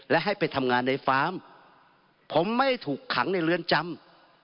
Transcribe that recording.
และให้ไปทำงานในฟาร์มผมไม่ถูกขังในเรือนจำ